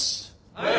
はい。